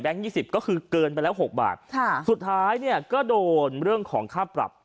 ยี่สิบก็คือเกินไปแล้วหกบาทค่ะสุดท้ายเนี่ยก็โดนเรื่องของค่าปรับ